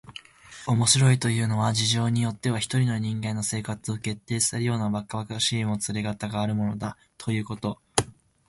「面白いというのは、事情によっては一人の人間の生活を決定するようなばかばかしいもつれかたがあるものだ、ということをさとらせられるからなんです」